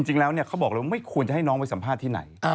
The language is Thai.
จริงแล้วเขาบอกเลยว่าไม่ควรจะให้น้องไปสัมภาษณ์ที่ไหน